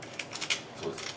そうです。